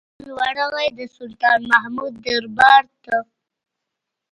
بهلول ورغى د سلطان محمود دربار ته.